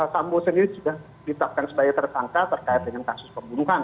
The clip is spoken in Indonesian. sambo sendiri sudah ditetapkan sebagai tersangka terkait dengan kasus pembunuhan